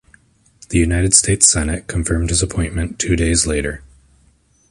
The United States Senate confirmed his appointment two days later.